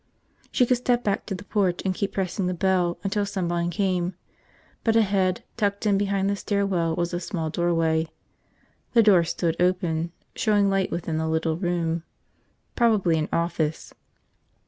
She could step back to the porch and keep pressing the bell until someone came. But ahead, tucked in behind the stair well, was a small doorway. The door stood open, showing light within the little room. Probably an office.